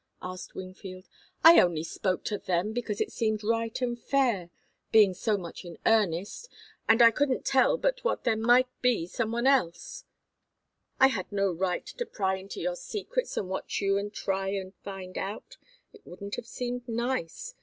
asked Wingfield. "I only spoke to them because it seemed right and fair, being so much in earnest, and I couldn't tell but what there might be some one else I had no right to pry into your secrets and watch you and try and find out it wouldn't have seemed nice.